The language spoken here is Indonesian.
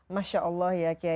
masya allah ya